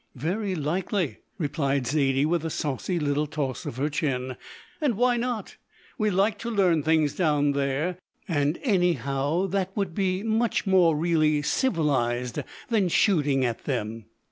"Very likely," replied Zaidie, with a saucy little toss of her chin; "and why not? We like to learn things down there and anyhow that would be much more really civilised than shooting at them."